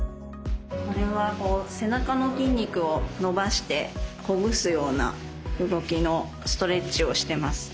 これは背中の筋肉を伸ばしてほぐすような動きのストレッチをしてます。